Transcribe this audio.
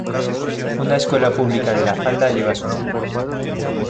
Una escuela pública de La Falda lleva su nombre.